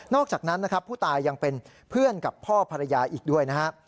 อกจากนั้นนะครับผู้ตายยังเป็นเพื่อนกับพ่อภรรยาอีกด้วยนะฮะ